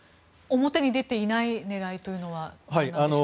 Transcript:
表に出ていない狙いというのは何なんでしょうか。